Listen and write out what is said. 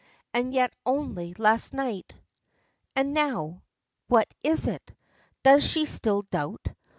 And yet only last night And now. What is it? Does she still doubt?